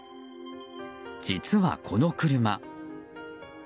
実は、この車。